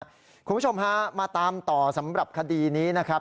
คุณผู้ชมฮะมาตามต่อสำหรับคดีนี้นะครับ